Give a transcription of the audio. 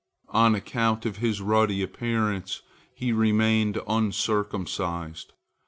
On account of his ruddy appearance he remained uncircumcised.